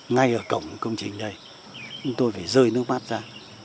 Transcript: ngay ở cổng công trình này tôi phải rơi nước mắt ra